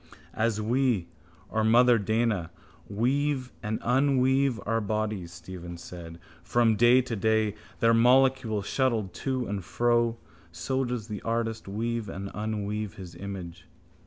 —As we, or mother Dana, weave and unweave our bodies, Stephen said, from day to day, their molecules shuttled to and fro, so does the artist weave and unweave his image.